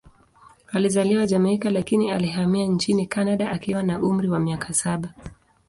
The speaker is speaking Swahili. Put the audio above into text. Alizaliwa Jamaika, lakini alihamia nchini Kanada akiwa na umri wa miaka saba.